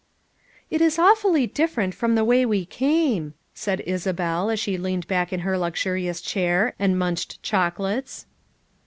"It is awfully different from the way we came/' said Isabel as she leaned back in her luxurious chair and munched chocolates.